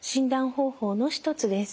方法の一つです。